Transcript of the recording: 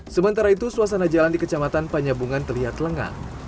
sementara itu suasana jalan di kecamatan panyabungan terlihat lengang